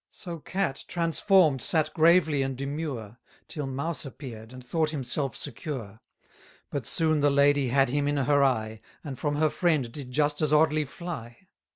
So cat transform'd sat gravely and demure, Till mouse appear'd, and thought himself secure; But soon the lady had him in her eye, And from her friend did just as oddly fly.